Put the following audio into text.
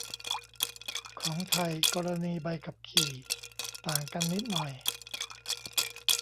ของไทย กรณีใบขับขี่ ต่างกันนิดหน่อย